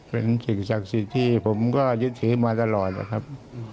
เป็นสิ่งศักดิ์สิทธิ์ที่ผมก็ยึดถือมาตลอดนะครับ